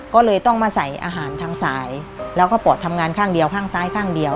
ก็เลยต้องมาใส่อาหารทางสายแล้วก็ปอดทำงานข้างเดียวข้างซ้ายข้างเดียว